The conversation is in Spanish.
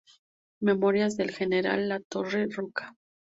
Memorias del general Latorre Roca".